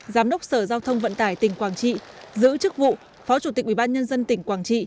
giám đốc sở giao thông vận tải tỉnh quảng trị giữ chức vụ phó chủ tịch ubnd tỉnh quảng trị